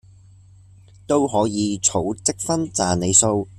都可以儲積分賺里數